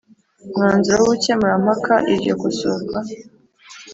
Mwanzuro w ubukemurampaka iryo kosorwa